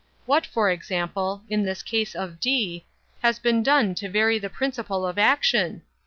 What, for example, in this case of D——, has been done to vary the principle of action?